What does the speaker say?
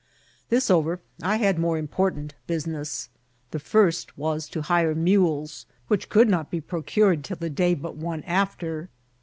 This over, I had more important business. The first was to hire mules, which could not be procured till the day but one after.